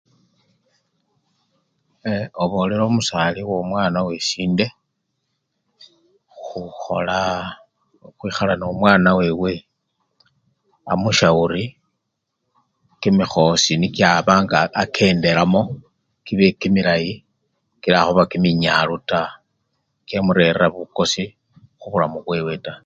Ee! obolela omusali womwana wesinde khukhola! khukhwikhala nomwana wewe amusyawuri kimikhosi nikio aba nga akendelamo kibe kimilayi kilakhuba kiminyalu taa kyamurerira bukosi khubulamu bwewe taa.